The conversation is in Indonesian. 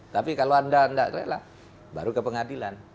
tapi kalau anda tidak rela baru ke pengadilan